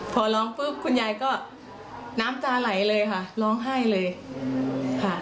พอร้องปุ๊บคุณยายก็น้ำตาไหลเลยค่ะร้องไห้เลยค่ะ